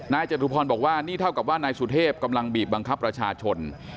จตุพรบอกว่านี่เท่ากับว่านายสุเทพกำลังบีบบังคับประชาชน